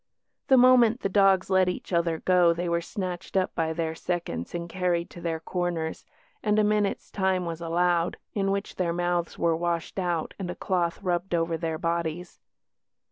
The moment the dogs let each other go they were snatched up by their seconds and carried to their corners, and a minute's time was allowed, in which their mouths were washed out and a cloth rubbed over their bodies.